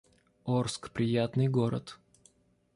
Орск — приятный город